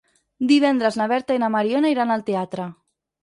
Divendres na Berta i na Mariona iran al teatre.